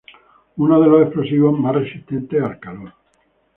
Uno de los explosivos más resistentes al calor.